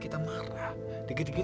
kita harus refreshing ya